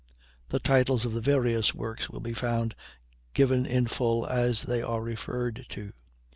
The titles of the various works will be found given in full as they are referred to.